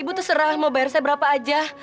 ibu terserah mau bayar saya berapa aja